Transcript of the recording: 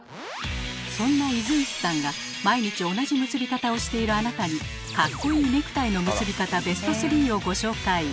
そんな出石さんが毎日同じ結び方をしているあなたにかっこいいネクタイの結び方ベスト３をご紹介。